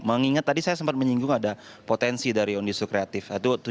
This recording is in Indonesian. mengingat tadi saya sempat menyinggung ada potensi dari industri kreatif